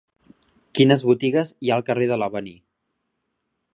Quines botigues hi ha al carrer de l'Avenir?